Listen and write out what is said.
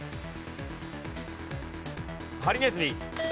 ハリネズミ。